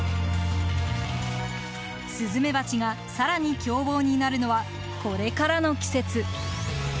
スズメバチが更に凶暴になるのはこれからの季節。